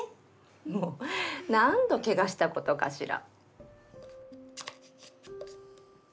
もう何度ケガしたことかしら。